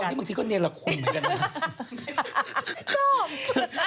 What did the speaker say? บางทีก็เนนละคุมไว้กันนะ